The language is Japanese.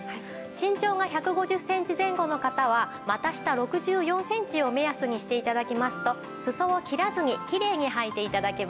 身長が１５０センチ前後の方は股下６４センチを目安にして頂きますと裾を切らずにキレイにはいて頂けます。